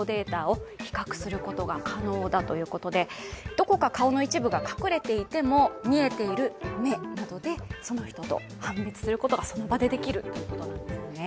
どこか顔の一部が隠れていても見えている目などでその人と判別することがその場でできるということなんですね。